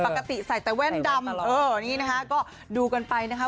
ปกติใส่แต่แว่นดำเออนี่นะคะก็ดูกันไปนะคะ